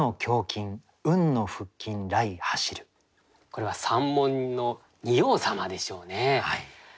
これは山門の仁王様でしょうね。